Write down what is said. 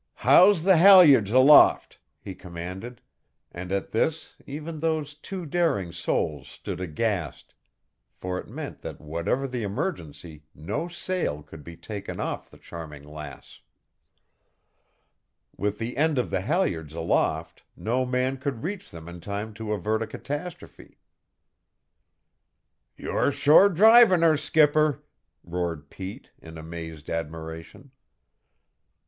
"House the halyards aloft!" he commanded, and at this even those two daring souls stood aghast, for it meant that whatever the emergency no sail could be taken off the Charming Lass. With the end of the halyards aloft no man could reach them in time to avert a catastrophe. "You're sure drivin' her, skipper!" roared Pete in amazed admiration.